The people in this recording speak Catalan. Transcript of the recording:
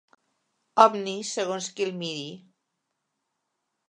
Ovni, segons qui el miri.